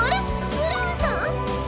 ブラウンさん？